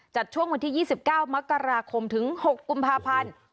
ช่วงวันที่๒๙มกราคมถึง๖กุมภาพันธ์